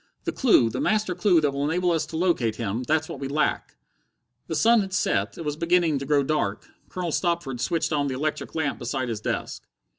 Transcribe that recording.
The clue, the master clue that will enable us to locate him that's what we lack." The sun had set, it was beginning to grow dark. Colonel Stopford switched on the electric lamp beside his desk.